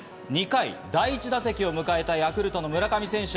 ２回、第１打席を迎えたヤクルトの村上選手。